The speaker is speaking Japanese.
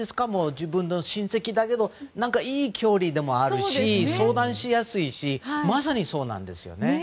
自分の親戚だけどいい距離でもあるし相談しやすいしまさに、そうなんですよね。